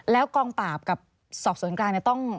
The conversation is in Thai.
แล้วกองปราบกับสอบสวนการเนี่ย